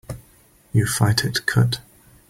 You fight it cut.